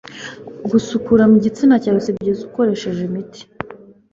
gusukura mu gitsina cyawe sibyzia ukoresha imiti